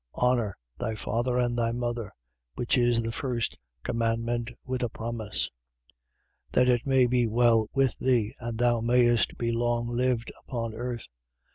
6:2. Honour thy father and thy mother, which is the first commandment with a promise: 6:3. That it may be well with thee, and thou mayest be long lived upon earth.